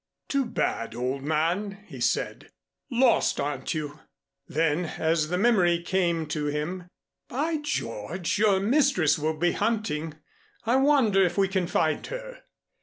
"Too bad, old man," he said. "Lost, aren't you?" Then, as the memory came to him, "By George, your mistress will be hunting. I wonder if we can find her."